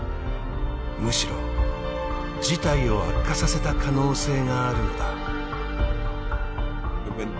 むしろ事態を悪化させた可能性があるのだ。